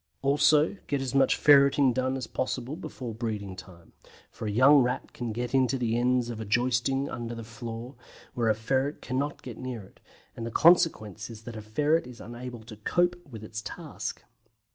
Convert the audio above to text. Also get as much ferreting done as possible before breeding time, for a young Rat can get into the ends of the joisting under a floor, where a ferret cannot get near it, and the consequence is that a ferret is unable to cope with its task.